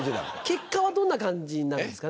結果はどんな感じなんですかね？